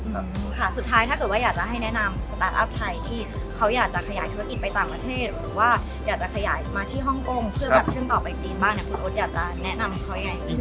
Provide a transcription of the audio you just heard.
ค่ะสุดท้ายถ้าเกิดว่าอยากจะให้แนะนำสตาร์ทอัพไทยที่เขาอยากจะขยายธุรกิจไปต่างประเทศหรือว่าอยากจะขยายมาที่ฮ่องกงเพื่อแบบเชื่อมต่อไปจีนบ้างเนี่ยคุณโอ๊ตอยากจะแนะนำเขายังไง